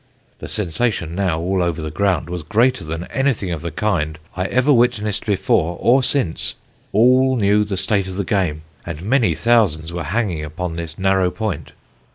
The sensation now all over the ground was greater than anything of the kind I ever witnessed before or since. All knew the state of the game, and many thousands were hanging upon this narrow point.